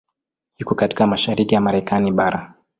Iko katika mashariki ya Marekani bara.